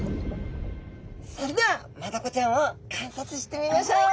それではマダコちゃんを観察してみましょう！